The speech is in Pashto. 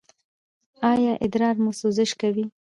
ایا ادرار مو سوزش کوي؟